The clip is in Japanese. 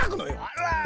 あら。